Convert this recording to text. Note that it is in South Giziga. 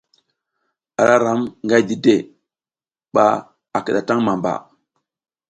Ara ram nga dide ɓa a kiɗataŋ mamba.